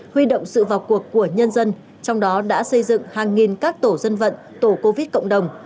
huy động sự vào cuộc của nhân dân trong đó đã xây dựng hàng nghìn các tổ dân vận tổ covid cộng đồng